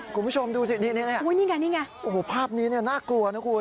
คุณผู้ชมดูสินี่ไงนี่ไงโอ้โหภาพนี้น่ากลัวนะคุณ